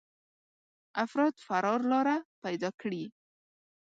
افراد فرار لاره پيدا کړي.